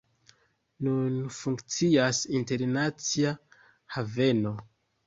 Nun funkcias internacia haveno.